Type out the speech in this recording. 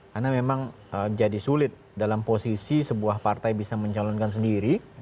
karena memang jadi sulit dalam posisi sebuah partai bisa mencalonkan sendiri